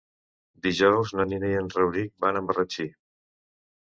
Dijous na Nina i en Rauric van a Marratxí.